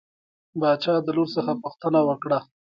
باچا د لور څخه پوښتنه وکړه.